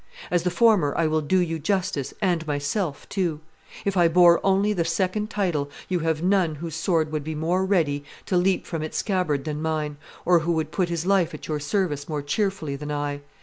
As the former I will do you justice and myself too. If I bore only the second title, you have none whose sword would be more ready to leap from its scabbard than mine, or who would put his life at your service more cheerfully than I.